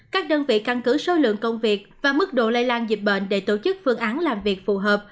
các đơn vị căn cứ số lượng công việc và mức độ lây lan dịch bệnh để tổ chức phương án làm việc phù hợp